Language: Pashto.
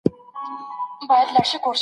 که ته غواړې پوه سې نو پوښتنه کوه.